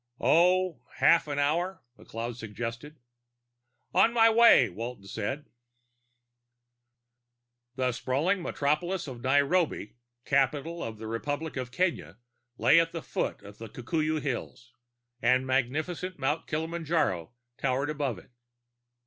"Oh half an hour?" McLeod suggested. "I'm on my way," said Walton. The sprawling metropolis of Nairobi, capital of the Republic of Kenya, lay at the foot of the Kikuyu Hills, and magnificent Mount Kilimanjaro towered above it.